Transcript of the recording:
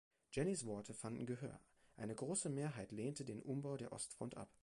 Jennys Worte fanden Gehör, eine grosse Mehrheit lehnte den Umbau der Ostfront ab.